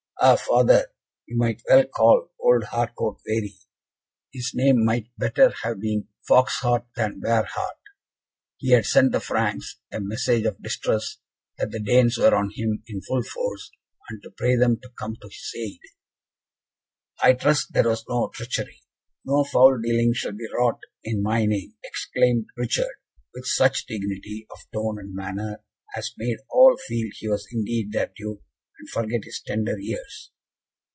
"Ah, father, you might well call old Harcourt wary his name might better have been Fox heart than Bear heart! He had sent to the Franks a message of distress, that the Danes were on him in full force, and to pray them to come to his aid." "I trust there was no treachery. No foul dealing shall be wrought in my name," exclaimed Richard, with such dignity of tone and manner, as made all feel he was indeed their Duke, and forget his tender years.